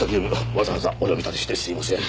わざわざお呼び立てしてすみません。